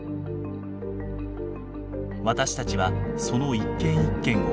私たちはその一件一件を分析。